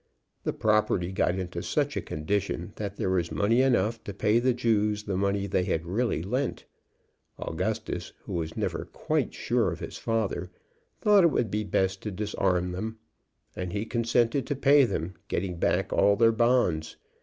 The property got into such a condition that there was money enough to pay the Jews the money they had really lent. Augustus, who was never quite sure of his father, thought it would be best to disarm them; and he consented to pay them, getting back all their bonds.